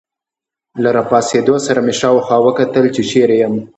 له راپاڅېدو سره مې شاوخوا وکتل، چې چیرې یم.